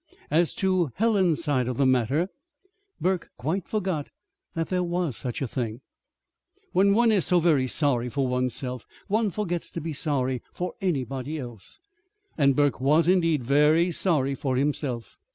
As to Helen's side of the matter Burke quite forgot that there was such a thing. When one is so very sorry for one's self, one forgets to be sorry for anybody else. And Burke was, indeed, very sorry for himself.